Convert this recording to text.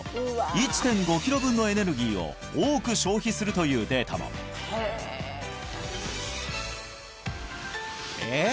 １．５キロ分のエネルギーを多く消費するというデータもえっ？